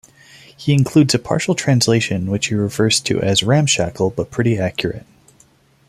He includes a partial translation which he refers to as "ramshackle but pretty accurate".